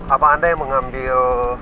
apa anda yang mengambil